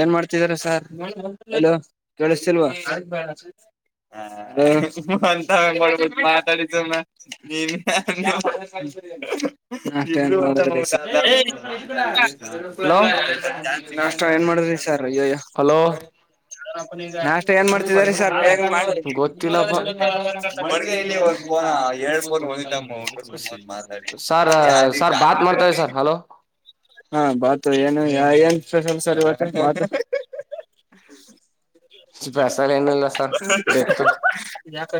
ಏನ್ ಮಾಡ್ತಿದಾರ sir hello ಕೇಳಸ್ತಿಲ್ವಾ ಹ [unintelligible] ನಾಷ್ಟ ಏನ್ ಮಾಡಿದ್ರಿ ಸರ್ ಅಯ್ಯಯ್ಯೋ ಹಲೋ ಹಲೋ ನಾಷ್ಟ ಏನ್ ಮಾಡ್ತಿದಾರಿ ಸರ್ ಬೇಗ ಮಾಡಿ [unintelligible] ಗೊತ್ತಿಲ್ಲ ಫೋನ್ ಎರಡ್ ಫೋನ್ ಒಂದಿದ್ದಮ್ಮ ಮಾತಾಡಿ ಸಾರ್ ಸರ್ ಬಾತ್ ಮಾಡ್ತಾರೆ ಸರ್ ಹಲೋ ಹಾ ಬಾತು ಏನು ಏನ್ ಸ್ಪೆಸಲ್ ಸರ್ ಇವತ್ತ ಸ್ಪೆಷಲ್ ಏನಿಲ್ಲ ಸರ್ ಡೆತ್ತು ಯ ಕ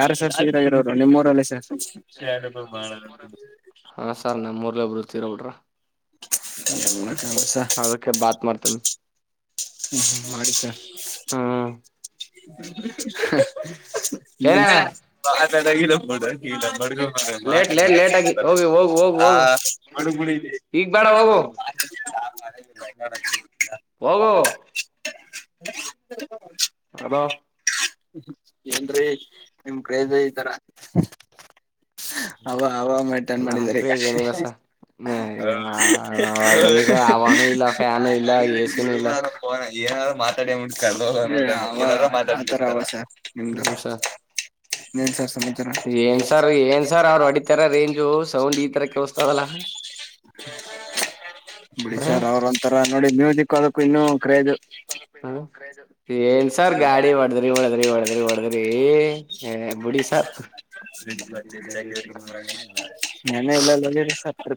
ಗಾರ ಸರ್ [unintelligible] ಇರೋರು ನಿಮ್ಮ್ಊರಲ್ಲೇ ಸರ್ [inaudible] ಹಾ ಸಾರ್ ನಮ್ಮ್ ಊರಲ್ಲೇ ಒಬರುತೀರೋಡ್ರ ತ್ಯಕ್ ಯ [inaudible] ಅದಕ್ಕೆ ಬಾತ್ ಮಾಡ್ತೇನ್ಿ ಹ್ಮ ಹ್ಮ ಮಾಡ ಸರ್ ಹ್ಮ್ [inaudible] ಏನಾ ಹಾ [inaudible] [inaudible] ಾಗಿ [inaudible] [unintelligible] ಇಲ್ಲ ಬಗ ಲೇಟ್ ಮಾತಾಡ ಲೇಟ್ ಲೇಟ್ ಆಗಿ ಹೋಗಿ ಹೋಗು ಹೋಗು ಹೋಗು ಆಡುು [inaudible] ಈ [inaudible] ಈಗ ಬೇಡ ಹೋಗು ಹೋಗು [inaudible] ಹೆಲೋ ಏನ್ರರಿ ನಿಮ್ ಕ್ರೇಜ ಇತಾರ ಅವ ಆಾಮಟನ್ ನಮ್ ಮಾಡಿದ್ದಾರೆ ಕ್ರೇಜ್ ಕಡೆ ಏನಿಲ್ಲ ಸರ್ ಬಂದಿದ ಅವನು ಇಲ್ಲ ಫ್ಯಾನು ಇಲ್ಲ ಎಸಿನೂ ಇಲ್ಲ [unintelligible] [unintelligible] [unintelligible] ಹ್ಮ ಸರ್ ಇನ್ನೇನ್ ಸರ್ ಸಮಾಚಾರ? ಏನ್ ಸರ್ ಏನ್ ಸರ್ ಅವ್ರು ಹೊಡಿತಾರ ರೇಂಜು ಸೌಂಡ್ ಈ ತರ ಕೇಳಸ್ತದಲ್ಲ ಬಿಡಿ ಹ ಸರ್ ಅವ್ರ ಒಂತರ ನೋಡಿ ಮ್ಯೂಸಿಕ್ ಅದ. ಇನ್ನ ಕ್ರೇಜ ಏನ್ ಸಾರ್ ಗಾಡಿ ಹೊಡದ್ರಿ, ಹೊಡದ್ರಿ, ಹೊಡದ್ರಿ ಹೊಡದ್ರಿ ಏ ಬಿಡಿ ಸಾರ್.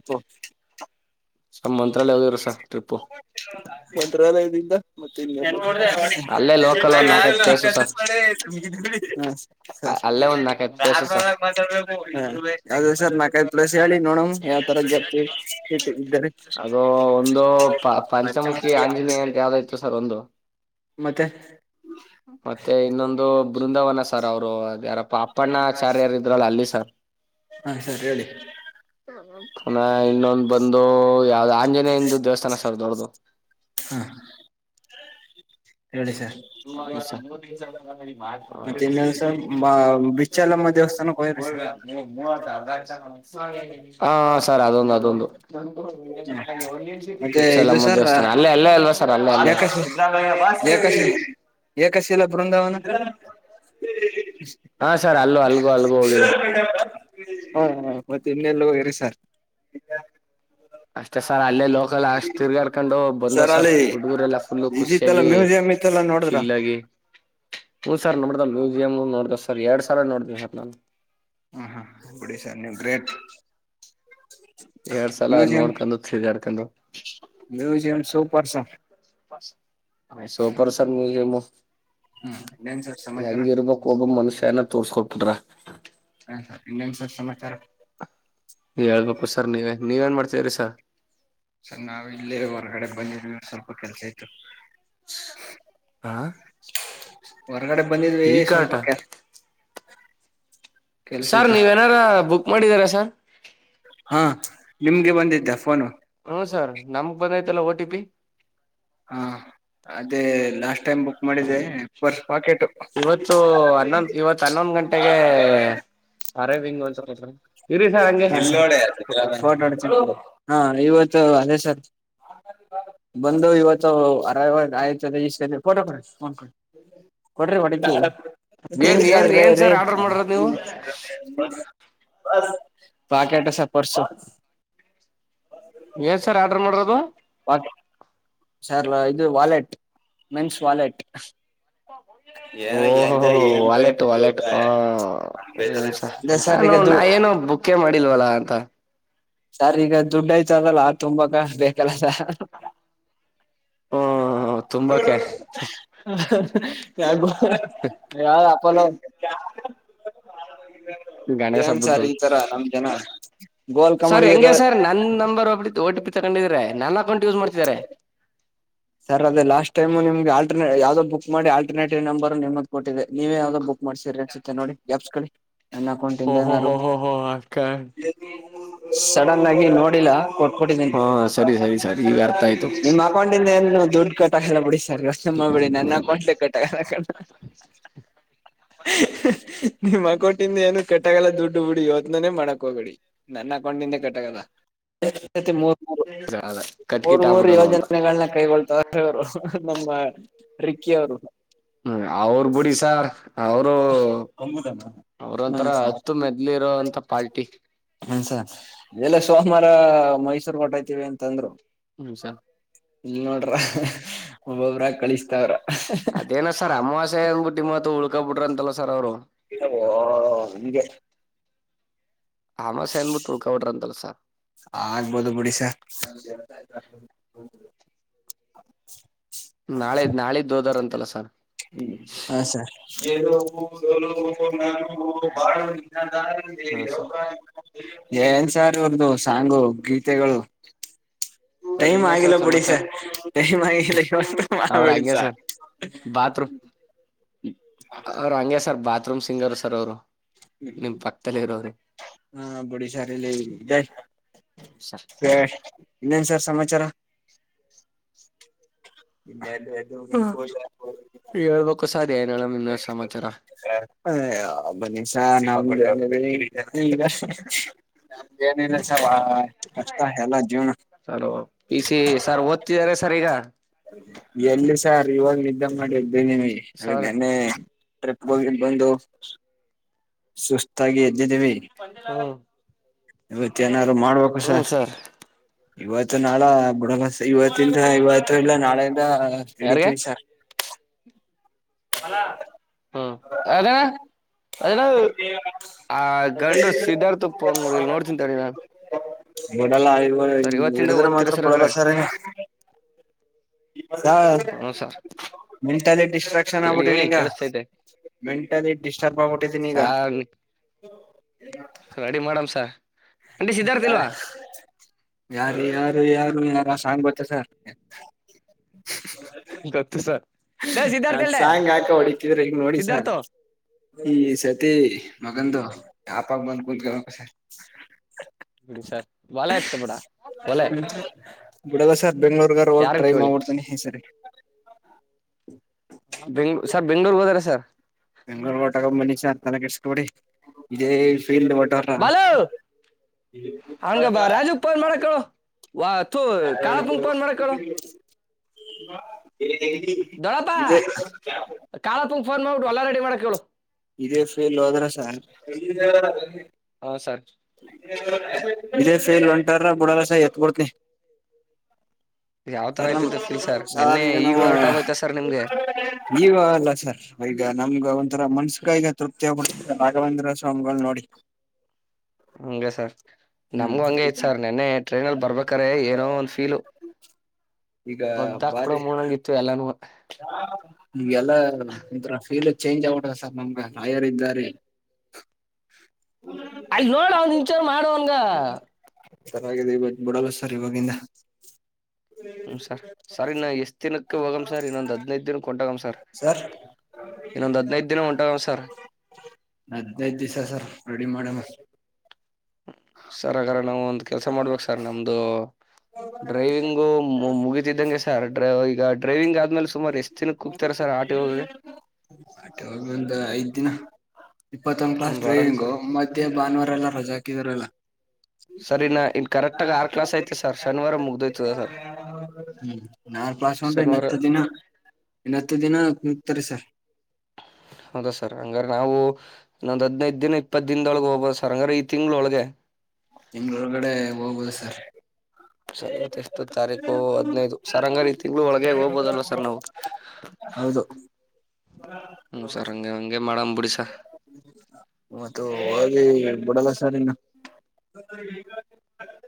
ಹ ಹೋಗಿದ್ರು ಸರ್ ಟ್ರಿಪ್ಪು ಮತ್ರಲ್ಲ ಇದಿಂದ ಮತ್ತ ಅಲ್ಲೇ ಲೋಕಲ್ ಒಂದ್ ನಾಲ್ಕೈದು ಪ್ಲೇಸು ಸರ್ ಅಲ್ಲೇ ಒಂದ್ ನಾಲ್ಕೈದು ಪ್ಲೇಸು ಸರ್ ಅ ಸರ್ ನಾಲ್ ಹೇಳಿ ನೋಡಮ ಯಾವ ತರ ಜರ್ತಿ ಅದು ಒಂದು ಪ ಪಂಚಮುಖಿ ಆಂಜನೇಯ ಅಂತ ಯಾವ್ದ ಇತ್ತು ಸರ್ ಒಂದು. ಮತ್ತೆ ಮತ್ತೆ ಇನ್ನೊಂದು ಬೃಂದಾವನ ಸರ್, ಅವರು ಯಾರಪ್ಪ. ಪ್ಪಣಾಚಾರ್ಯರ ಇದ್ರಲ್ಲ ಅಲ್ಲಿ ಸರ್ ಹಾ ಸರ್ ಹೇಳಿ ಪುನಃ ಇನ್ನೊಂದು ಬಂದು ಯಾವ್ದ ಆಂಜನೇಯಂದು ದೇವಸ್ಥಾನ ಸರ್ ದೊಡ್ಡದು. ಹಾ [inaudible] ಮತ್ತೆ ಇನ್ನೇನು ಸರ್ [unintelligible] ಬಿಚ್ಚಲಮ್ಮ ದೇವಸ್ಥಾನಕ್ಕೆ ಹೋಗಿರಿ ಸರ್ ಹ ಸರ್ ಅದೊಂದು ಅದೊಂದು ಹ್ಮ ಮತ್ತೆ ಇದು ಚಲಮ್ಮ ಸರ್ ದೇವಸ್ಥಾನ ಅಲ್ಲೇ ಅಲ್ಲೇ ಅಲ್ವಾ ಸರ್, ಅಲ್ಲ ಅಲ್ಲ ಏಕಶ ಸಾಮಯ್ಯ, ಬ ಏಕಶ ಏಕಶಿಲ ಬೃಂದಾವನ. [unintelligible] ಹಾ ಸರ್, ಅಲ್ಲೂ ಅಲ್ಗು ಅಲ್ಗು ಹೋಗರು. ಹಾ ಮತ್ತೆ ಇನ್ನೆಲ್ಲ ಹೋಗ್ರಿ ಸರ್. ಅಷ್ಟೇ ಸರ್ ಅಲ್ಲೇ ಲೋಕಲ್ ಅಷ್ಟ್ ತಿರ್ಗಾಡ್ಕೊಂಡು ಬಂದವ್ ಸರ್ ಹುಡುಗರೆಲ್ಲ ಫುಲ್ಲ ಇದಿತ್ತಲ್ಲ ಖುಷಿಯಾಗಿ ಮ್ಯೂಸಿಯಂ ಇತ್ತಲ್ಲ ನೋಡಿದ್ರ ಚಿಲ್ಲಾಗಿ ಹನ್ ಸರ್ ನೋಡ್ದ ಮ್ಯೂಸಿಯಂ. ನೋ ಸರ್ ಎರಡ್ ಸಲ ನೋಡ್ದಷಪ್ ನಾನು. ಹ ಹಾ ಬಿಡಿ ಸರ್ ನೀವು ಗ್ರೇಟ್ ಎರಡ್ ಸಲ ಮ್ಯೂಸಿಯಂ ನೋಡ್ಕೊಂಡು ತಿರ್ಗಾಡ್ಕೊಂಡು ಮ್ಯೂಸಿಯಂ ಸೂಪರ್ ಸರ್ ಸೂಪರ್ ಸನ್ ಮ್ಯಸಮ ಹ್ಮ ಇನ್ನೇನ್ ಸರ್ ಸಮಾಚಾರ ಹೆಂಗ ಇರ್ಬೇಕಕ್ ಒಬೊ ಮನುಷ್ಯ. ನ ತೋರ್ಸ್ಕೊಬ ಬಿಟ್ರ ಹ ಸರ್ ಇನ್ನೊಂದಸರ್ ಸಮಾಚಾರ? ಹೇಳ್ಬೇಕು ಸರ್ ನೀವೇ ನೀವ ಏನ್ ಮಾಡ್ ಸರಿ ಸರ್. ಸರ್ ನಾವು ಇಲ್ಲಿ ಹೊರಗಡೆ ಬಂದಿರ್ವಿ ಸ್ವಲ್ಪ. ಸ ಆತು [inaudible] ಹಾ ಹ ಹೊರಗಡೆ ಬಂದಿದ್ವಿ ಈ ಸ್ವಲ್ಪ ಕಾರ್ಟ ಕೆಲ್ಸ ಹ ಸರ್ ನೀವೇನಾರ ಬುಕ್ ಮಾಡಿದಾರಾ ಸ ಹಾ ನಿಮ್ಗೆ ಬಂದಿದ್ದ್ಯಾ ಫೋನು ಹ್ಮ ಸರ್ ನಮಗ್ ಬಂದೈ್ತಲ್ಲ ಓ ಟಿ ಪಿ ಹಾ ಅದೇ ಲಾಸ್ಟ್ ಟೈಮ್ ಬುಕ್ ಮಾಡಿದೆ ಬರ್ ಇವತ್ತು ಹನ್ನೊಂದ ಇವತ್ ಹನ್ನೊಂದ ಗಂಟೆಗೆ ಅರೈವಿಂಗ್ ಒಂದಸ ಇರೀ ಸಾರ್ ಹಂಗೆ ಫೋಟೋ ಹೊಡಿತೀನಿ ಹಾ ಇವತ್ತು ಅದೇ ಸರ್ ಬಂದವು ಇವತ್ತು ಅರ ಯ್ದ ಇಷ್ಟ ಕೊಟ ಕೊಡ್ರಿ ನ್ ಕೊ ಕೊ್ರಿ ಹೊ [unintelligible] ಏನ್ ಏನ್ ಏನ್ ನೀನ್ಿರಿ ಸರ್ ಆರ್ಡರ್ ಮಾಡಿರೋದು ನೀವು [unintelligible] ಬಾಕಟ್ಟ ಸ ಪರ್ಸು ಏನ್ ಸರ್ ಆರ್ಡ್ರ ಮಾಡರೋದು ಸರ್ಲ ಇದು ವಾಲೆಟ್ ಮೆನ್ಸ್ ವಾಲೆಟ್ ಏನ ಓಹೋಹೋ ಎಂಜಾಯ್ ವಾಲೆಟ್ ವಾಲೆಟ್ ಏನ್ರ ಹ ಅದೇ ಸರ್ ನಾನು ಈಗ ದು ನಾ ಏನು ಬುಕೇ ಮಾಡಿಲ್ವಲ್ಲಾ ಅಂತ ಸರ್ ಈಗ ದುಡ್ಡ ಯ್ತ ಅದಲ್ಲ ತುಂಬಾ ಕ ಬೇಕಲ್ಲ ಸ ಹ್ಮ ತುಂಬಾಕೆ ಕ ಯಾರ ಕೊಲೋ ಗಣೇಶ ಏನ್ ಹಬ್ಬದ್ದು ಸರ್ ಈ ತರ ನಮ್ ಜನ ಗೋಲ್ ಸರ್ ಕಮಡಿಗಿರ ಹೆಂಗೆ ಸರ್ ನನ್ ನಂಬರ್ ಒಬ ಓಟಿ ಪಿ ತಗೊಂಡಿದ್ರೆ ನನ್ನ ಅಕೌಂಟ್ ಯೂಸ್ ಮಾಡ್ತಿದ್ದಾರೆ ಸರ್ ಅದ ಲಾಸ್ಟ್ ಟೈಮುಮ್ಗೆ ಆಟರ್ೇ ಯಾವ್ದೋ ಬುಕ್ ಮಾಡಿ ಆಲ್ಟರ್ೇಟಿವ್ ನಂಬರ್ ನಿ್ದ ಕೊಟ್ಟಿದೆ ನೀವೇ ಯಾವ್ದೋ ಬುಕ್ ಮಾಡ್ಸೀರಿ ಅನ್ಸುತ್ತತೆ ನೋಡಿ ಗ್ಯಾಪ್ಸ್ ಕಳಿ ನನ್ನ ಅಕೌಂಟಿಂದ ಓಹೋ ಏನು ಹೋ ಹೋ ಹೋ ಅಕ್ಕ ಸಡನ್ ಆಗಿ ನೋಡಿಲ್ಲ ಕೊಟ್ ಕೊಟ್ಟಿದ್ದೇನಿ ಹಾ ಸರಿ ಸರಿ ಸರಿ ಈಗ ಅರ್ಥ ಆಯ್ತು ನಿಮ್ಮ ಅಕೌಂಟಿಂದ ಏ ಎಾ ಸೆಾಳಡಿಸಿ ಸರ್ಗಸ್ ಮಾಡ್ಬೇಡಿ ನನ್ನಕೊಂಡಲಿ ಕಟ್ಟ ಕ ನಿಮ್ಮ ಅಕೋಟಿಂದ ಏನು ಕೆಟ್ಟಗಲ್ಲ ದುಡ್ಡು ಬಿಡಿ ಇವತ್ನಾನನೆ ಮಾಡಕ್ ಹೋಗಿಡಿ ನನ್ನ ಹಕೊಂಡಿಂದೆ ಕೆಟ್ಟಗಲ್ಲ ಮೂರ್ ಮೂರು ಅದ ಮೂರ್ ಕಟ್ಕಿಟ್ ಮೂರು ಆಗ್ಬಿಟ್ಟದು ಅಂತ ಯೋಜನೆಗಳನ್ನ ಕೈಗೊಳ್ ವರು ನಮ್ಮ ರಿಕ್ಕಿ ಅವರು ಹ್ಮ್ ಅವ್ರ ಬಿುಡಿ ಸಾರ್ ಅವರು ಅವ್ರ ಹ ಒಂಥರ ಹತ್ತು ಮೆದ್ಲಿ ಇರೋಂತ ಪಾರ್ಟಿ ಹ ಸರ್ ಎಲ್ಲ ಸೋಮವಾರ ಮೈಸೂರ್ ಹೊಟೈತಿವಿ ಅಂತಂದ್ರು ಹ ಸರ್ [unintelligible] ಹ್ಮ ಒಬ್ಬೊಬ್ರ ಕಳಿಸ್ತಾವ್ರ ಅದೇನ ಸರ್ ಅಮಾವಾಸ್ಯ ಅಂದಬಿಟ್ಟ ನಿಮ್ಮತ್ತ ಉಳ್ಕ ಬಿಟ್ರ ಅಂತಲ್ಲ ಸರ್ ಅವ್ರು ಹಂಗೆ ಅಮಾವಾಸ್ಯ ಅಂದ್ಬಿಟ್ಟು ಉಳ್ಕೊಬಿಟ್ರ ಅಂತಲ್ಲ ಸರ್ ಆಗ್ಬೋದು ಬುಡಿಸ ಹ [inaudible] ನಾಳೆ ನಾಳಿದ್ದು ಹೋದಾರಂತೆ ತಲ ಸರ್ ನಾಳ [unintelligible] ಹಾ ಹಾ ಸರ್ [unintelligible] ಏನ್ ಸಾರ್ ಇವರ್ದು ಸಾಂಗು ಗೀತೆಗಳು ಸರ್ ಟೈಮ್ ಇನ್ನೇನ್ ಆಗಿಲ್ಲ ಬಿಡಿ ಸಮಾಚಾರ ಸರ್ ಟೈಮ ಆಗಿಲ್ಲ ಯೋಚನೆ ಅವ್ರ ಮಾಡಬೇಡಿ ಹಂಗೆ ಸಾರ್ ಸರ್ ಅವ್ರ ಹಂಗೆ ಸರ್ ಬಾ ತ್ರುಂ ಸಿಂಗರ್ ಸರ್ ಅವರು ನಿಮ್ ಪಕ್ಕದಲ್ಲಿ ಇರೋರು ಹಾ ಬಿಡಿ ಸರ ಇಲ್ಲಿ ಜಾಯ ಸ ಇನ್ನೇನ್ ಸರ್ ಸಮಾಚಾರ [inaudible] ಇನ್ನೇನ ಹ್ಮ ಹೇಳ್ಬೇಕು ಸರ್ ಏನ ಅದೆ ಬನಿಶಾ ನಾವ ಈಗ ನಮ್ದ ಏನಿಲ್ಲ ಚವಾ ಸರ್ ಪೀ ಸಿ ಸರ್ ಓದ್ತಿದ್ದಾರೆ ಸರ್ ಈಗ ಎಲ್ಲಿ ಸರ್ ಇವಾಗ ನಿದ್ದೆ ಮಾಡಿ ಎದ್ದಿದೀವಿ ಸರ್ ನೆನ್ನೆ ಟ್ರಿಪಗ ಹೋಗೀನ್ ಬಂದು ಸುಸ್ತಾಗಿ ಹ್ಮ ಇವತ್ತ ಏನಾರು ಮಾಡ್ಬೇಕು ಸರ್ ಇವತ್ತು ನಾಳ ಬುಡಲ್ಲ ಇವತ್ತಿಂದ ಇವತ್ತ ಇಲ್ಲ ನಾಳೆಯಿಂದ ನಡಿತೀವಿ ಸರ್ [inaudible] ಅಲ ಹ್ಮ್ ಯಾವ್ದು ಹೇಳ ಅಣ್ವೋ ಆ ಗಂಡು ಸಿದ್ಧಾರ್ಥಗ ಫೋನ್ ಮಾಡಿ ನೋಡ್ತಿನ್ ತಡಿ ಮೂರ ಇವೆಲ್ಲ ಇವ ಸರ್ ಇವತ್ತಿಂದ ಹಿಡಿದ್ರ ಓದ್ತಿರ ಮಾತ್ರ ಬಿಡಲ್ಲ ಹಾಗಾರೆ ಸರ್ ಹ ಹ್ಮ ಸರ್ ಮೆಂಟಲಿ ಡಿಸ್ಟ್ರಾಕ್ಷನ್ ಹೇಳಿ ಆಗ್ಬಿಟ್ಟೀನಿ ಹೇಳಿ ಈಗ ಕೇಳಿಸ್ತೈತೆ ಮೆಂಟಲಿ ಡಿಸ್ಟರ್ಬ್ ಆಗ್ಬಿಟ್ಟತಿನಿ ಈಗ ಸಾರ್ [unintelligible] ರೆಡಿ ಮಾಡಮ್ಸ ಆಂಟಿ ಸಿದ್ಧಾರ್ಥ ಇಲ್ವಾ ಯಾರು ಯಾರು ಯಾರು ಯಾರು ಆ ಸಾಂಗ್ ಗೊತ್ತ ಸರ್ ಗೊತ್ತು ಸರ್ ಲೇ ಅ ಸಿದ್ಧಾರ್ಥ ಎಲ್ಡೆ ಸಾಂಗ ಆಕ ಹೊಡಿತಿದ್ರ ಹೆಂಗ್ ನೋಡಿ ಸಿದ್ಧಾರ್ಥ ಸಾಂಗ ಈ ಸತಿ ಮಗನದು ಆ ಮಂದಬೂತ್ ಗ ಬಿಡಿ ಸರ್ ಬಲ ಆಯ್ತ್ ಕಬಡ ಒಲೆ ಬುಡದ ಸರ್ ಬೆಂಗ್ೂರ್ಗ ಹೋಗಿ ಟ್ರೈ ಮಾಡ್ಡ್ತನಿ ಈ ಸರಿ [inaudible] ಬೆಂಗ್ಳೂ ಸರ್ ಬೆಂಗ್ಳೂರ್ ಹೋದಾರ ಸರ್ ಬೆಂಗ್ಗಳೂರ್ ಟಗಂಬನಿ ಸರ್ ತಲೆ ಕೆಡಿಸ್ಕಬೇಡಿ ಇದೇ ಫೀಲ್ಡ್ ಹೊಟಾರ ಬಾಲ ಹಂಗಬಾ ರಾಜುಪ್ಪ ಏನ್ ಮಾಡಕ್ಕಳು ವ ತ ಕಾಳ ತುಂಪನ್ ಮಾಡಕಳು ಹ [inaudible] ಫನ್ ಮಾಡ್ಿಡ್ಡು ಅಲ್ಲ ರೆಡಿ ಮಾಡಕೇಳು ಇದೇ ಫೇಲ್ ಹೋದ್ರ ಸಾರ್ ಹಾ ಸರ್ ಇದೇ ಫೇಲ್ ಹೊಂಟಾರ ಬಿುಡಲ್ಲಸ ಎತ್ಬಡ್ತನಿ ಯಾವ ಎ ತರ ಆಯ್ತಿದ್ದು ಫೀಲ್ ಸರ್ ಸಾರ್ ನಿನ್ನೆ ಈಗ ನಾವು ಹೊರಟ ಆಗೋಯ್ತಾ ಸರ್ ನಿಮ್ಗೆ ಜೀವ ಅಲ್ಲ ಸಾರ್ ಈ ನಮ್ಗ ಒಂಥರ ಮನ್ಸ ಕೈಗೆ ತೃಪ್ತಿಯೋಗಬಡ್ತ ರಾಘವೇಂದ್ರ ಸ್ವಾಮಿಗಳು ನೋಡಿ ಹ್ಮ್ ನಮ್ಗು ಹಂಗೇ ತ್ ಸರ್ ನಿನ್ನೆ ಟ್ರೈನಲ್ಲಿ ಬರ್ಬೇಕ್ರೆ ಏನೋ ಒಂದ್ ಫೀಲು ಬದಾಕ್ ಬಿಡೋ ಮೂನ್ಂಗ ಇತ್ತು ಎಲ್ಲಾನೂವೆ ನಿಮಗೆಲ್ಲ ಒಥರ ಫೀಲ್ ಚೇಂಜ್ ಆಗ್ಟದ ಸರ್ ನಮ್ಗೆ ಲಾಯರ್ ಇದ್ದಾರೆ ಅಯ್ ನೋಡ ಅವನ್ ಒಂಚೂರು ಮಾಡವನ್ಗ ರಾಗಿದೆ ಈ ಬ ಬುಡ ಬಸರ್ ಇವಾಗಿಂದ ಹ್ಮ ಸರ್ ಸರ್ ಇನ್ನ ಎಷ್ಟ್ ದಿನಕ್ಕೆ ಹೋಗಮ್ ಸರ್ ಇನ್ನೊಂದ್ ಹದ್ನೈದ್ ದಿನಕ್ಕೆ ಹೊಂಟೋಗಮ್ ಸರ್ ಇನ್ನೊಂದ್ ಹದ್ನೈದ್ ದಿನ ಹೊಂಟೋಗಮ್ ಸರ್ ಹದ್ನೈದು ದಿವ್ಸ ಸರ್ ರೆಡಿ ಮಾಡ [inaudible] ಸರ್ ಹಾಗ್ರ ನಾವು ಒಂದ ಕೆಲ್ಸ ಮಾಡ್ಬೇಕು ಸರ್ ನಮ್ದು ಡ್ರೈವಿಂಗು ಮುಗಿತಿದ್ದಂಗೆ ಸರ್ ಡ್ರೈ ಈಗ ಡ್ರೈವಿಂಗ್ ಆದ್ಮೇಲೆ ಸುಮಾರು ಎಷ್ಟ್ ದಿನಕ್ಕೆ ಹೂಗ್ತಾರ ಸರ್ ಆರ್ ಟಿ ಓಗೆ ಹ. ಇಪ್ಪತ್ತೊಂದ ಕ್ಲಾಸ್ ಡ್ರೈವಿಂಗು ಸರ್ ಮಧ್ಯೆ ಭಾನುವಾರ ಎಲ್ಲ ರಜಾ ಹಾಕಿದಾರಲ್ಲಾ. ಸರಿನಾಾ ಇನ್ ಕರೆಕ್ಟ್ ಆಗ ಆರ್ ಕ್ಲಾಸ್ ಐತೆ ಸ ಹ್ಮ ನಾಾರ್ ಪ್ರಾಸ ಅ್ರೆ ಶನಿವಾರ ಇನ್ನತ್ತು ದಿನ ಇನ್ನತ್ತು ದಿನ. ಸರಿ ಸರ್. ಹೌದಾ ಸರ್ ಹಂಗ್ರ ನಾವು ಒ--ದ್ ಹದ್ನೈದ ದಿನ ಇಪ್ಪತ್ ದಿನದೊಳಗೆ ಹೋಗ್ಬೋದು ಸರ್ ಹಂಗ್ರ ಈ ತಿಂಗಗಳೊಳಗೆ ತಿಂ--ಳೂ ಒಳಗಡೆ ಹೋಗ್ಬೋದು ಸರ್ ಸರಿ ಇತ್ತ ಎಷ್ಟು ತಾರೀಕು ಹದ್--ನೈದು ಸರ್ ಹಂಗ ರ ಈ ತಿಂಗಳು ಒಳಗೆ ಹೋಗ್ಬೋದಲ್ಲ ಸರ್ ನಾವು ಹೌದು ಹ್ ಸರ್ ಹಗೆ ಹಗೆ ಮಾಡಂಬಂಬಿಡಿ ಸ ಮತ್ತ ಹ ಬುಡಲ್ಲ ಸರಿನ್ನು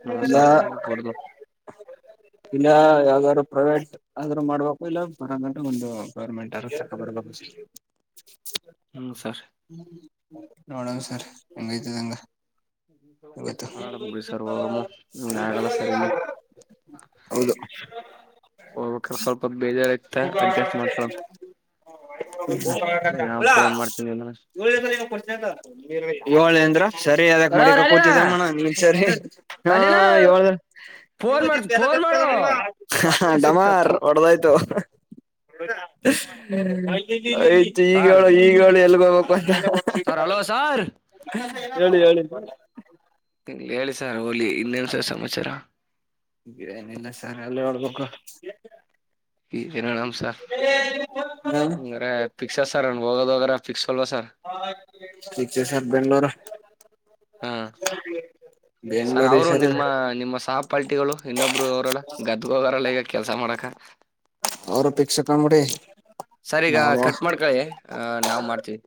ಹಾ ಸರ್ ಕೊಡ್ದು ಇಲ್ಲ ಯಾವಾದ್ರು ಪ್ರೈವೇಟ್ ಆದ್ರರು ಮಾಡ್ಬೇಕು ಇಲ್ಲ ಬರಂಗಂಂತ ಒಂದು ಗವರ್ಮೆಂಟ್ ಆದ ಬರ್ಬೇಕು. ಹ್ಮ್ ಸರ್. ನೋಡಣ ಸರ್ ಹೆಂಗಐತದ ಹಂಗ. ಇವತ್ತು. ಮಾಡಮ್ ಬಿಡಿ ಸರ್ ಹೋಗಮ್ಮ ಹ್ಮ್ ಆಗಲ್ಲ ಸರ್ ಹೌದು. ಹೋಗ ಸ್ವಲ್ಪ ಬೇಜಾರ. ಇತ್ತ ತಗ. ಅಡ್ಜಸ್ಟ್ ಮಾಡ್ಕೊಳಮ್ ನಾ ಲ ಫೋನ್ ಮಾಡ್ತೀನಿ ನಿನ್ನ ಏಳ ಅಂದ್ರ. ಸರಿ ಅದಕ್ ಹಲೋ ಮಡಿಕ ರಾಜಣ್ಣ ಕೂತಿದ್ದಮ್ಮಣ ನೀನ್ ಸರಿ ಹ ರಾಜಣ್ಣ ಫೋನ್ ಮಾಡ ಫೋನ್ ಮಾಡು ಹ ಒಟ್ಟ ಸಿಟ್ಟ ಡಮಾರ್ ಥು ಹೊಡದಾಯ್ತು. ಹ್ಮ್. ಆಯ್ತ ಈಗ ಈಗಾಳಿ ಎಲ್ಲ. [unintelligible] Sir hello sir. ಹೇಳಿ ಹೇಳಿ. ಹೇಳಿ. ಸರ್ ಓಲಿ ಇನ್ನಂದು ಸರ್ ಸಮಾಚಾರ. ಏನಿಲ್ಲ ಸರ್ ಎಲ್ಲ ಒಳಪಕ್ಕ. ಈ ನೋಣ. ಫಿಕ್ಸ ಸರ್ ನನ್ ಹೋಗೋದ ಹೋಗ್ರ ಫಿಕ್ಸ್ ಅಲ್ವಾ ಸರ್ ಹ ಸರ್ ಬೆಂಗಳೂರು. ಹಾ ಸರ್ ಬೆಂಗ್ಳೂರ್ ಈ ಅವರು ಸರಿ ನಿಮ್ಮ ನಿಮ್ಮ ಸಾಪ ಪಲ್ಟಿಗಳು ಇನ್ನೊಬ್ರು ಅವರಲ್ಲ ಗದ್ದ್ಗೋಗಾರಲ್ಲ ಈಗ ಕೆಲ್ಸ ಮಾಡಕ ಅವರು ಫಿಕ್ಸ್ ಕಾಮಿಡಿ ಸರ್ ಈಗ ನಾಮ ಕಟ್ ಮಾಡ್ಕಳಿ ನಾವ್ ಮಾಡ್ತೀವಿ